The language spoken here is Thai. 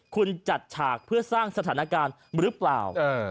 คุณจัดฉากเพื่อสร้างสถานการณ์หรือเปล่า